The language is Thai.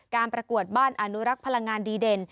ประกวดบ้านอนุรักษ์พลังงานดีเด่น